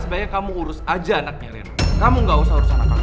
sebaiknya kamu urus aja anaknya rid kamu gak usah urus anak kamu